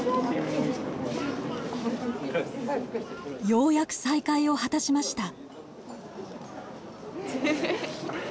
ようやく再会を果たしました。